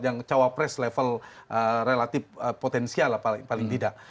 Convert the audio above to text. yang cawapres level relatif potensial paling tidak